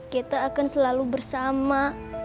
kita akan selalu bersama